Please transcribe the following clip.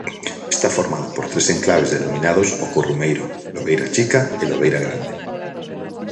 Está formado por tres enclaves denominados o Corrumeiro, Lobeira Chica e Lobeira Grande.